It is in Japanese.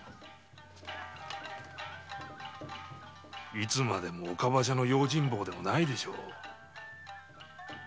いつまでも岡場所の用心棒でもないでしょう？